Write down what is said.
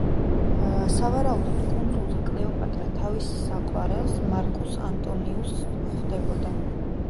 სავარაუდოდ კუნძულზე კლეოპატრა თავის საყვარელს, მარკუს ანტონიუსს ხვდებოდა.